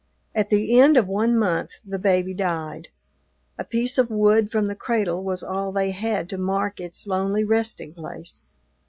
At the end of one month the baby died. A piece of wood from the cradle was all they had to mark its lonely resting place.